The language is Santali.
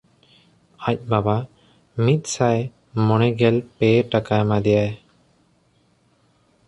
ᱟᱡ ᱵᱟᱵᱟ ᱢᱤᱫᱥᱟᱭ ᱢᱚᱬᱮᱜᱮᱞ ᱯᱮ ᱴᱟᱠᱟ ᱮᱢᱟ ᱫᱮᱭᱟᱭ᱾